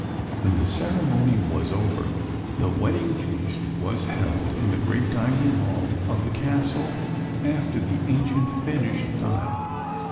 When the ceremony was over, the wedding feast was held in the great dining hall of the Castle after the ancient Finnish style.